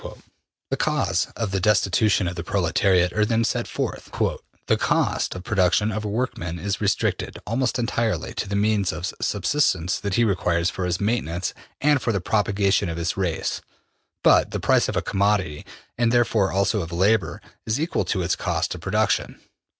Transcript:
'' The cause of the destitution of the proletariat are then set forth. ``The cost of production of a workman is restricted, almost entirely, to the means of subsistence that he requires for his maintenance and for the propagation of his race. But the price of a commodity, and therefore also of labor, is equal to its cost of production.